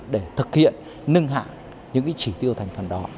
để thực hiện nâng hạng những chỉ tiêu thành phần đó